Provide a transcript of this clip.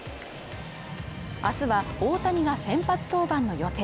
明日は大谷が先発登板の予定